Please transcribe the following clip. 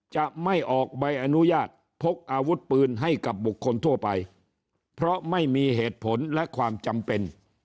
จะไม่ออกใบอนุญาตพกอาวุธปืนให้กับบุคคลทั่วไปเพราะไม่มีเหตุผลและความจำเป็น